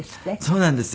そうなんです。